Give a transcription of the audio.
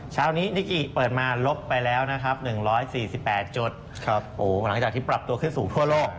เช้านี้นิกิเปิดมาลบไปแล้วนะครับ๑๔๘จุดหลังจากที่ปรับตัวขึ้นสูงทั่วโลก